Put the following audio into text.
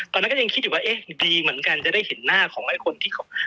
ตอนนั้นก็ยังคิดอยู่ว่าเอ๊ะดีเหมือนกันจะได้เห็นหน้าของไอ้คนที่เขา